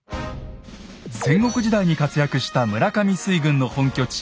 戦国時代に活躍した村上水軍の本拠地